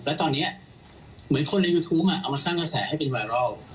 และตอนนี้เหมือนคนในยูทูปเอามาสร้างกระแสให้มีแดม